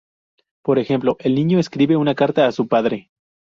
Por ejemplo: "El niño escribe una carta a su padre".